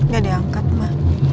gak diangkat ma